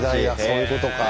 そういうことか。